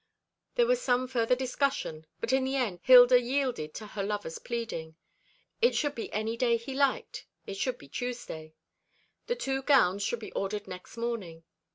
There was some further discussion; but in the end Hilda yielded to her lover's pleading. It should be any day he liked it should be Tuesday. The two gowns should be ordered next morning.